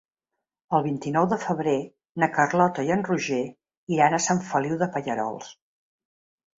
El vint-i-nou de febrer na Carlota i en Roger iran a Sant Feliu de Pallerols.